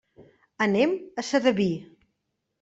Anem a Sedaví.